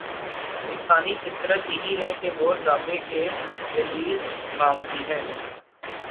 انسانی فطرت یہی ہے کہ وہ دعوے کی دلیل مانگتی ہے۔